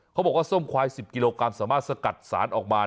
เขาบอกว่าส้มควาย๑๐กิโลกรัมสามารถสกัดสารออกมา